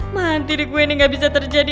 mantir gue nih gak bisa terjadi